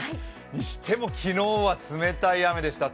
にしても昨日は冷たい雨でした。